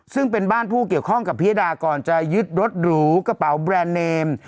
ซึ่งเป็นบ้านผู้เกี่ยวข้องกับพิยดาก่อนจะยึดรถหรูกระเป๋าแบรนด์เนม